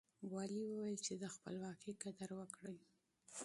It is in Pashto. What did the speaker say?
والي وويل چې د خپلواکۍ قدر وکړئ.